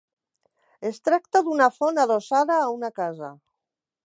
Es tracta d'una font adossada a una casa.